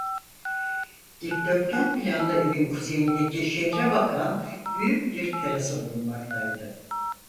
Dikdörtgen planlı evin kuzeyindeki şehre bakan büyük bir terası bulunmaktaydı.